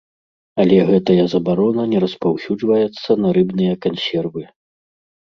Але гэтая забарона не распаўсюджваецца на рыбныя кансервы.